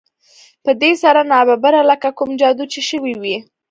په دې سره ناببره لکه کوم جادو چې شوی وي